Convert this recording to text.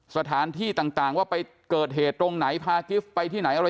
สถานที่ต่างว่าไปเกิดเหตุตรงไหนพากิฟต์ไปที่ไหนอะไร